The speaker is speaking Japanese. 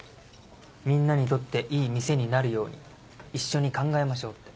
「みんなにとっていい店になるように一緒に考えましょう」